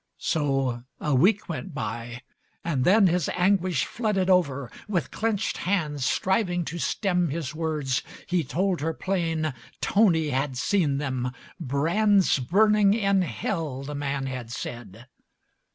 So a week went by, and then His anguish flooded over; with clenched hands Striving to stem his words, he told her plain Tony had seen them, "brands Burning in Hell," the man had said.